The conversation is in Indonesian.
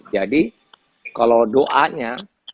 jadi kalau doanya